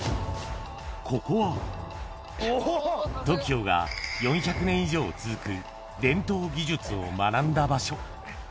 ここは、ＴＯＫＩＯが４００年以上続く、伝統技術を学んだ場所。